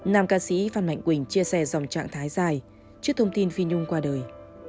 nam ca sĩ phan mạnh quỳnh chia sẻ dòng trạng thái dài trước thông tin phi nhung qua đời